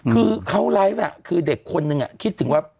คือเขาไลฟ์คือเด็กคนนึงคิดถึงว่า